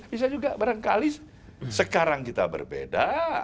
bisa juga barangkali sekarang kita berbeda